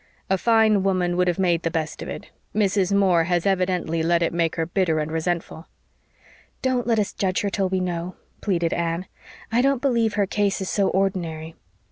"A fine woman would have made the best of it. Mrs. Moore has evidently let it make her bitter and resentful." "Don't let us judge her till we know," pleaded Anne. "I don't believe her case is so ordinary.